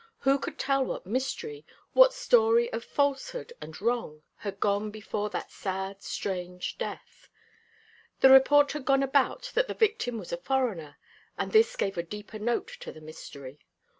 Who could tell what mystery what story of falsehood and wrong had gone before that sad, strange death? The report had gone about that the victim was a foreigner, and this gave a deeper note to the mystery.